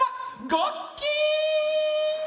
ごっき！